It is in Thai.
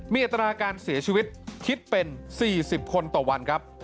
มีอัตราการเสียชีวิตคิดเป็น๔๐คนต่อวันครับ